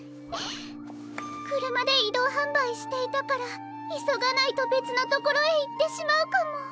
くるまでいどうはんばいしていたからいそがないとべつのところへいってしまうかも。